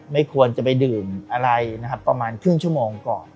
ไม่ควรจะไปดื่มอะไรนะครับประมาณครึ่งชั่วโมงก่อน